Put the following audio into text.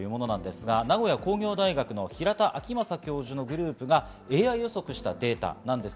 名古屋工業大学の平田晃正教授のグループがＡＩ予測したデータです。